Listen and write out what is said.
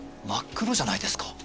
真っ黒じゃないですか。